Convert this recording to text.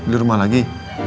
di rumah lagi